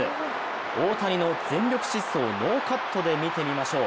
大谷の全力疾走をノーカットで見てみましょう。